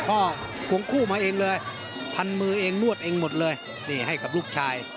ควงคู่มาเองเลยพันมือเองนวดเองหมดเลยนี่ให้กับลูกชาย